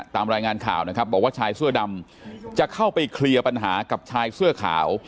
ตามรายงานข่าวนะครับบอกว่าชายเสื้อดำจะเข้าไปเคลียร์ปัญหากับชายเสื้อขาว